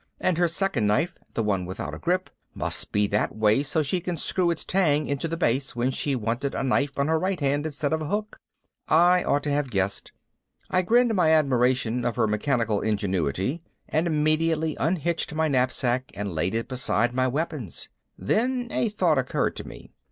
And her second knife, the one without a grip, must be that way so she could screw its tang into the base when she wanted a knife on her right hand instead of a hook. I ought to have guessed. I grinned my admiration of her mechanical ingenuity and immediately unhitched my knapsack and laid it beside my weapons. Then a thought occurred to me.